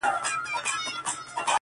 سمدستي د خپل کهاله پر لور روان سو!.